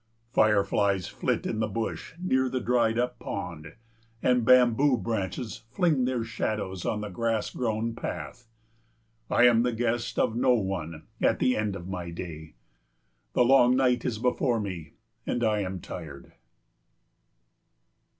Fireflies flit in the bush near the dried up pond, and bamboo branches fling their shadows on the grass grown path. I am the guest of no one at the end of my day. The long night is before me, and I am tired.